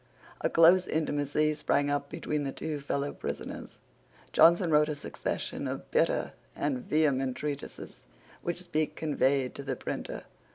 A close intimacy sprang up between the two fellow prisoners. Johnson wrote a succession of bitter and vehement treatises which Speke conveyed to the printer.